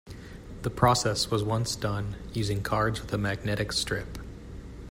The process was once done using cards with a magnetic strip.